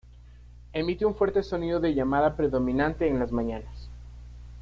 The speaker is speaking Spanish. Emite un fuerte sonido de llamada predominantemente en las mañanas.